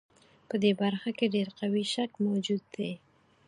په دې برخه کې ډېر قوي شک موجود دی.